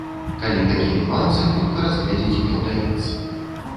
Калі такія нюансы хутка разгледзець не ўдаецца.